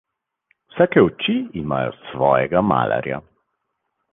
Vsake oči imajo svojega malarja.